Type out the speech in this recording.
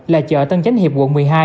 là chợ tân chánh hiệp quận một mươi hai